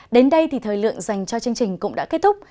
đến đây thì thời lượng dành cho chương trình cũng đã kết thúc